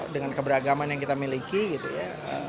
dengan keberagaman yang kita miliki gitu ya